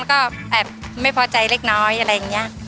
แล้วก็แอบไม่พอใจเล็กน้อยอะไรอย่างนี้